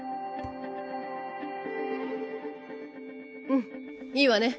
うんいいわね。